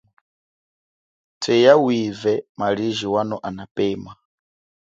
Tweya wive maliji wano anapema.